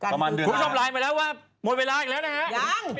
ประมาณเดือนหน้า